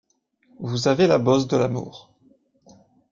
Vous avez la bosse de l’amour.